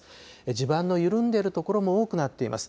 地盤の緩んでいる所も多くなっています。